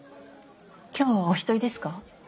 今日はお一人ですか？